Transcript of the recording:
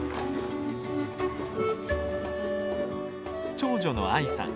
長女のアイさん。